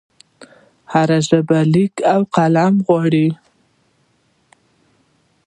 د هرې ژبې لیکل قلم غواړي.